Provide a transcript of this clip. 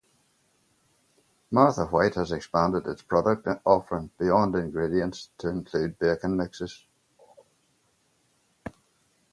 Martha White has expanded its product offering beyond ingredients to include baking mixes.